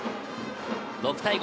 ６対５。